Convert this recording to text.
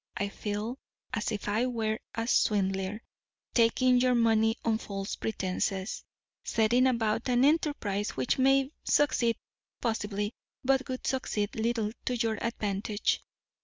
I feel as if I were a swindler, taking your money on false pretences; setting about an enterprise which may succeed, possibly, but would succeed little to your advantage.